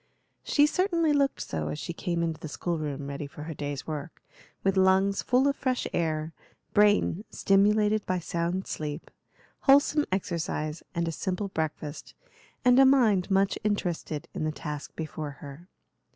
She certainly looked so as she came into the school room ready for her day's work, with lungs full of fresh air, brain stimulated by sound sleep, wholesome exercise, and a simple breakfast, and a mind much interested in the task before her.